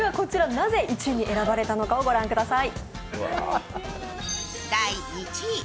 なぜ１位に選ばれたのかを御覧ください。